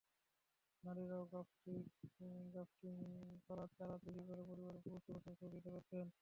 নারীরাও গ্রাফটিং করা চারা তৈরি করে পরিবারের পুরুষ সদস্যদের সহযোগিতা করছেন।